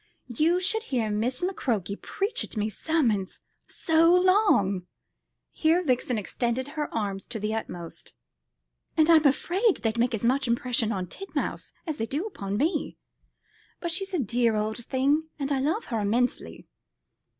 You should hear Miss McCroke preach at me sermons so long" here Vixen extended her arms to the utmost "and I'm afraid they'd make as much impression on Titmouse as they do upon me. But she's a dear old thing, and I love her immensely."